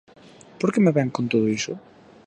_¿Por que me vén con todo iso?